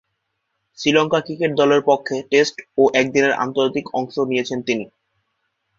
Sri Lanka cricket দলের পক্ষে test ও একদিনের আন্তর্জাতিকে অংশ নিয়েছেন তিনি।